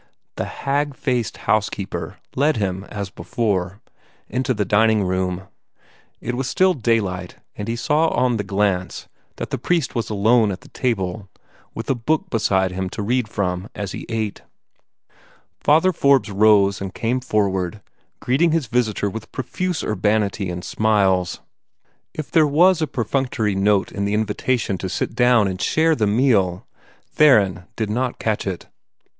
The hag faced housekeeper led him, as before, into the dining room. It was still daylight, and he saw on the glance that the priest was alone at the table, with a book beside him to read from as he ate. Father Forbes rose and came forward, greeting his visitor with profuse urbanity and smiles. If there was a perfunctory note in the invitation to sit down and share the meal, Theron did not catch it.